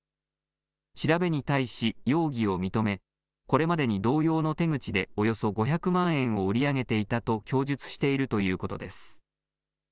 調べに対し、容疑を認め、これまでに同様の手口で、およそ５００万円を売り上げていたと供述しているということです。